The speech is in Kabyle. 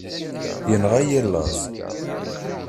Yenɣa-yi laẓ.